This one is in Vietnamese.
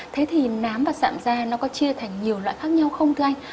thế thì nám và sạm da nó có chia thành nhiều loại khác nhau không thưa anh